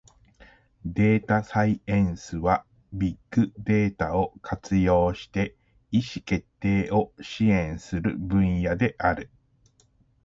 データサイエンスは、ビッグデータを活用して意思決定を支援する分野である。